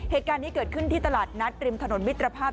เหตุการณ์นี้เกิดขึ้นที่ตลาดนัดริมถนนมิตรภาพ